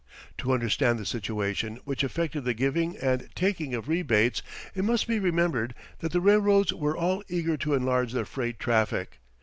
To understand the situation which affected the giving and taking of rebates it must be remembered that the railroads were all eager to enlarge their freight traffic.